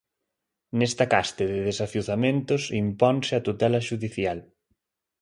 Nesta caste de desafiuzamentos imponse a tutela xudicial.